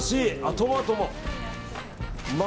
トマトも。